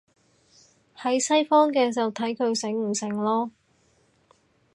喺西方嘅，就睇佢醒唔醒囉